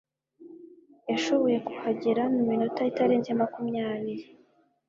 yashoboye kuhagera mu minota itarenze makumyabiri